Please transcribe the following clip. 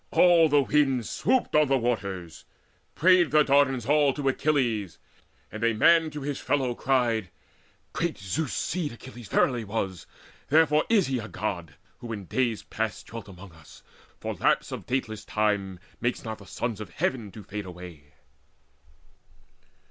All the winds Swooped on the waters. Prayed the Dardans all To Achilles, and a man to his fellow cried: "Great Zeus's seed Achilles verily was; Therefore is he a God, who in days past Dwelt among us; for lapse of dateless time Makes not the sons of Heaven to fade away."